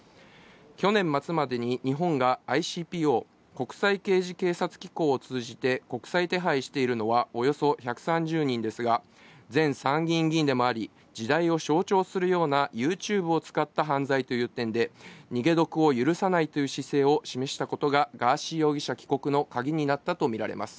去年末までに日本がＩＣＰＯ＝国際刑事警察機構を通じて国際手配しているのは、およそ１３０人ですが、前参議院議員でもあり、時代を象徴するようなユーチューブを使った犯罪という点で、逃げ得を許さないという姿勢を示したことがガーシー容疑者帰国のカギになったと見られます。